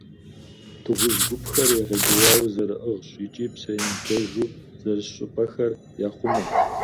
Дыгъужь гупхэр егъэлеяуэ зэрыӏыгъщ, икӏи псэемыблэжу зэрыс щӏыпӏэхэр яхъумэ.